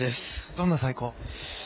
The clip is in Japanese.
どんな最高？